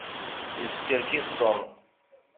Yeskerkis Tom.